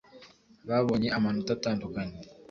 babonye amanota atandukanye